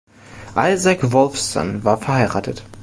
Isaac Wolffson war verheiratet.